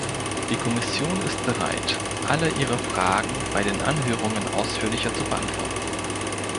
Die Kommission ist bereit, alle Ihre Fragen bei den Anhörungen ausführlicher zu beantworten.